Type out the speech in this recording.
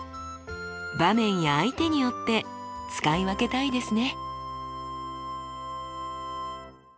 場面や相手によって使い分けたいですね。